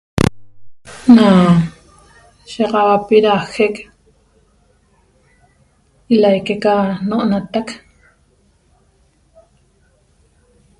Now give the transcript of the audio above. Na shiýaxauapi da jec ilaique ca n'onatac